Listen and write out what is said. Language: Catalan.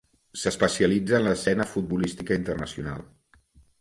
S'especialitza en l'escena futbolística internacional.